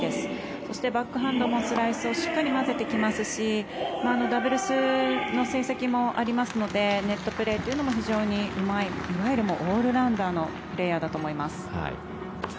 そしてバックハンドもスライスをしっかり混ぜてきますしダブルスの成績もありますのでネットプレーというのも非常にうまいいわゆるオールラウンダーのプレーヤーだと思います。